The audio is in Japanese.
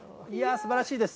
すばらしいです。